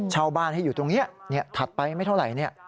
เช่าบ้านให้อยู่ตรงนี้ถัดไปไม่เท่าไหร่